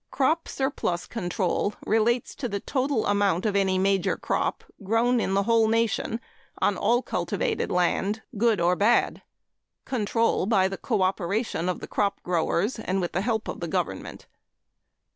Crop surplus control relates to the total amount of any major crop grown in the whole nation on all cultivated land good or bad control by the cooperation of the crop growers and with the help of the government.